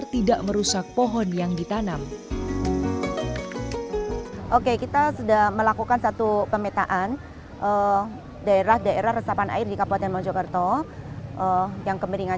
untuk memaksimalkan upaya pelestarian air pemerintah daerah pun melakukan pembelian air